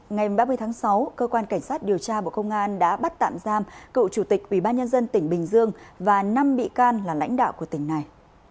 ngày ba mươi tháng sáu cơ quan cảnh sát điều tra bộ công an đã bắt tạm giam cựu chủ tịch ubnd tỉnh bình dương và năm bị can là lãnh đạo của tỉnh này